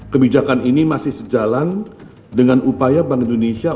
kebijakan ini masih sejalan dengan upaya bank indonesia